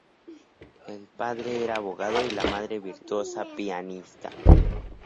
El padre era abogado y la madre virtuosa pianista.